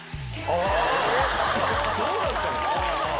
そうだったの。